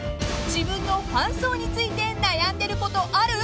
［自分のファン層について悩んでることある？